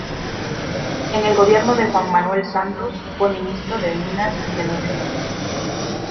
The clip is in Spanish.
En el gobierno de Juan Manuel Santos fue ministro de Minas y Energía.